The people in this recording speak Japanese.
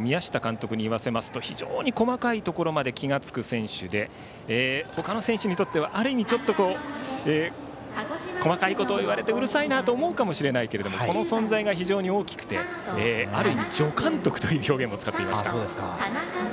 宮下監督に言わせますと非常に細かいところまで気が付く選手で他の選手にとっては、ある意味細かいことを言われてうるさいなと思うかもしれないけれどもこの存在が非常に大きくてある意味、助監督という表現も使っていました。